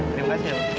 terima kasih ya mbak